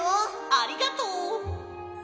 ありがとう！